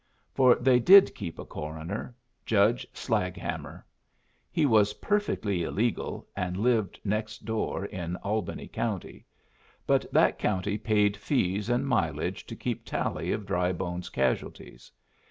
For they did keep a coroner Judge Slaghammer. He was perfectly illegal, and lived next door in Albany County. But that county paid fees and mileage to keep tally of Drybone's casualties.